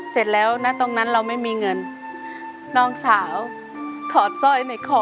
เสร็จแล้วนะตรงนั้นเราไม่มีเงินน้องสาวถอดสร้อยในคอ